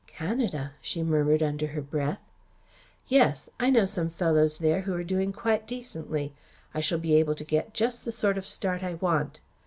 "Canada!" she murmured under her breath. "Yes. I know some fellows there who are doing quite decently. I shall be able to get just the sort of start I want.